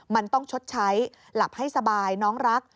มันต้องชดใช้หลับให้สบายน้องรัก